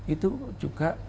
itu juga cukup menarik